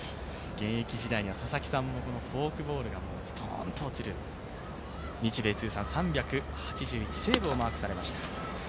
現役時代には佐々木さんもフォークボールがすとんと落ちる、日米通算３８１セーブをマークされました。